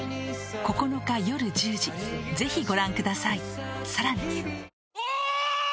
９日よる１０時ぜひご覧くださいさらにあぁ！